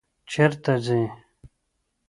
چیرته ځئ؟